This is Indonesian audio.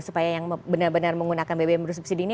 supaya yang benar benar menggunakan bbm bersubsidi ini